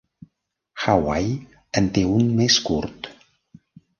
Hawaii en té un més curt.